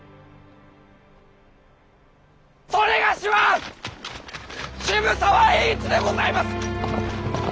某は渋沢栄一でございます！